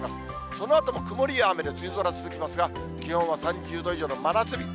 そのあとも曇りや雨で梅雨空続きますが、気温は３０度以上の真夏日。